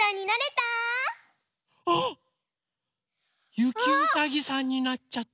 ゆきうさぎさんになっちゃった。